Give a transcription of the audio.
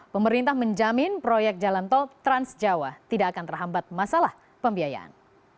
pemerintah menjamin proyek jalan tol transjawa tidak akan terhambat masalah pembiayaan